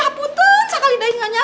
aputun sekali dahi nyonya